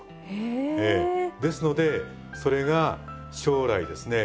ですのでそれが将来ですね